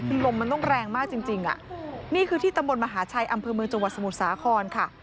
คือลมมันต้องแรงมากจริงอ่ะนี่คือที่ตำบลมหาชัยอำเภอเมืองจังหวัดสมุทรสาครค่ะ